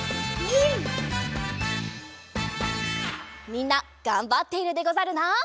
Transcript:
みんながんばっているでござるな。